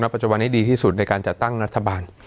ปัจจุบันให้ดีที่สุดในการจัดตั้งรัฐบาล